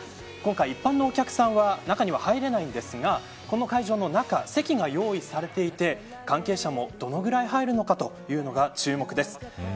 今回、一般のお客さんは中には入れないんですがこの会場の中席が用意されていて関係者も、どのぐらい入るのかというのが注目です。